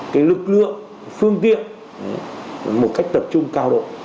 cái lực lượng phương tiện một cách tập trung cao độ